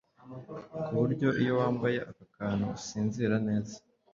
kuburyo iyo wambaye aka kantu usinzira neza.